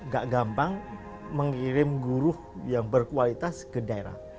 gak gampang mengirim guru yang berkualitas ke daerah